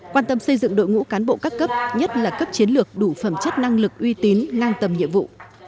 quan tâm xây dựng đội ngũ cán bộ các cấp nhất là cấp chiến lược đủ phẩm chất năng lực uy tín ngang tầm nhiệm vụ